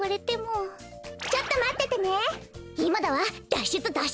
だっしゅつだっ